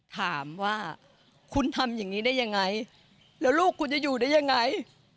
ถามว่าคุณทำอย่างนี้ได้ยังไงแล้วลูกคุณจะอยู่ได้ยังไง